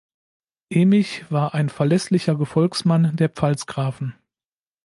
Emich war ein verlässlicher Gefolgsmann der Pfalzgrafen.